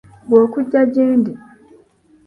Gwe okugya gyendi.